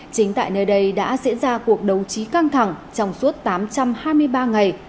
chính tại nơi đây đã diễn ra cuộc đấu trí căng thẳng trong suốt tám trăm hai mươi ba ngày